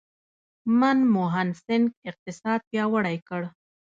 منموهن سینګ اقتصاد پیاوړی کړ.